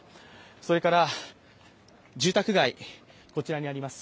それから住宅街、こちらにあります